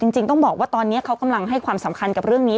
จริงต้องบอกว่าตอนนี้เขากำลังให้ความสำคัญกับเรื่องนี้